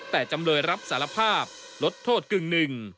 แต่จำเลยรับสารภาพลดโทษกึ่งหนึ่ง